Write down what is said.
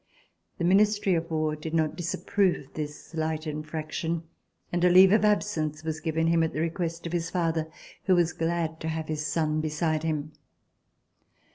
The Ministry of War did not dis approve of this slight infraction, and a leave of absence was given him at the request of his father who was glad to have his son beside him.